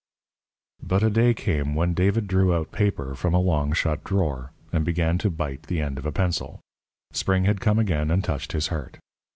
But a day came when David drew out paper from a long shut drawer, and began to bite the end of a pencil. Spring had come again and touched his heart.